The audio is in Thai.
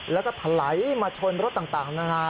แล้วก็ถลายมาชนรถต่างนานา